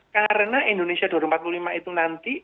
karena indonesia dua ribu empat puluh lima itu nanti